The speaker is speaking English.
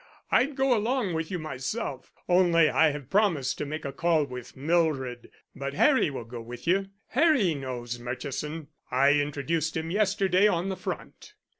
I'd go along with you myself, only I have promised to make a call with Mildred. But Harry will go with you Harry knows Murchison; I introduced him yesterday on the front."